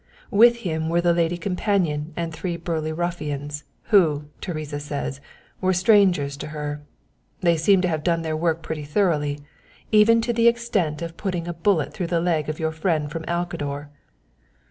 With him were the lady companion and three burly ruffians, who, Teresa says, were strangers to her. They seem to have done their work pretty thoroughly, even to the extent of putting a bullet through the leg of your friend from Alcador.